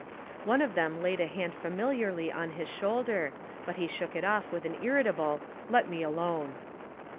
One of them laid a hand familiarly on his shoulder, but he shook it off with an irritable — "Let me alone!"